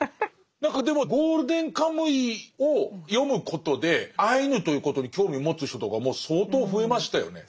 何かでも「ゴールデンカムイ」を読むことでアイヌということに興味を持つ人とかも相当増えましたよね。